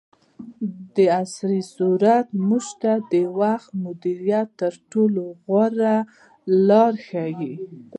دعصري سورت موږ ته د وخت د مدیریت تر ټولو غوره لار ښیي.